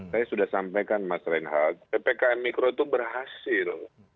saya sudah sampaikan mas reinhardt ppkm mikro itu berhasil